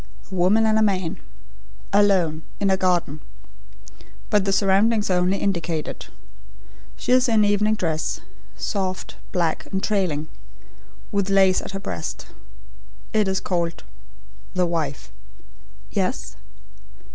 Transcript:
"A woman and a man ... alone, in a garden but the surroundings are only indicated. She is in evening dress; soft, black, and trailing; with lace at her breast. It is called: 'The Wife.'" "Yes?"